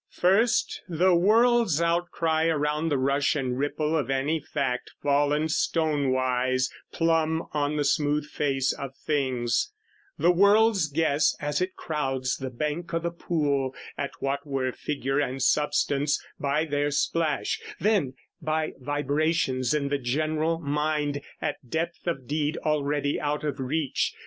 First, the world's outcry Around the rush and ripple of any fact Fallen stonewise, plumb on the smooth face of things; The world's guess, as it crowds the bank o' the pool, At what were figure and substance, by their splash: Then, by vibrations in the general mind, At depth of deed already out of reach.